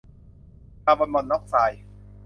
คาร์บอนมอนอกไซด์